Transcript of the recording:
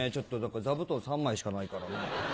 座布団３枚しかないからね。